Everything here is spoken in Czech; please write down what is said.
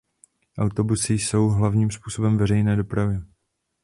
Autobusy jsou hlavním způsobem veřejné dopravy.